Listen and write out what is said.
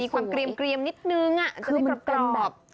มีความเกรียมนิดนึงอ่ะเพื่อให้กรอบ